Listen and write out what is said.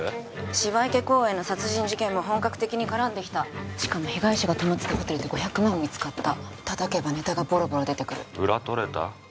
芝池公園の殺人事件も本格的に絡んできたしかも被害者が泊まってたホテルで５００万円見つかった叩けばネタがボロボロ出てくる裏とれた？